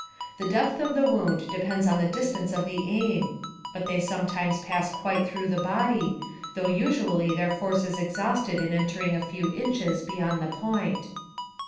The depth of the wound depends on the distance of the aim, but they sometimes pass quite through the body, AMONG THE SIOUX INDIANS. 35 though usually their force is exhausted in entering a few inches beyond the point.